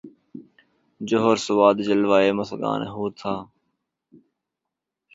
جوہر سواد جلوۂ مژگان حور تھا